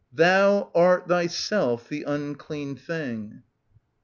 Thou art thyself the unclean thing.